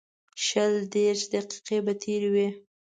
شل دېرش دقیقې به تېرې وې.